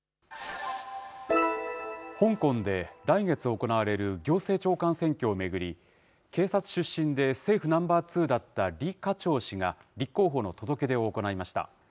香港で来月行われる行政長官選挙を巡り、警察出身で政府ナンバー２だった李家超氏が、立候補の届け出を行いました。